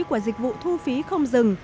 của dịch vụ thu phí không dừng